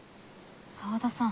沢田さん。